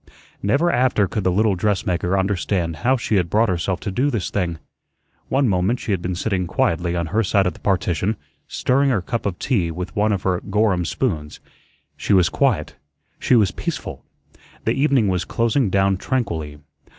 Never after could the little dressmaker understand how she had brought herself to do this thing. One moment she had been sitting quietly on her side of the partition, stirring her cup of tea with one of her Gorham spoons. She was quiet, she was peaceful. The evening was closing down tranquilly.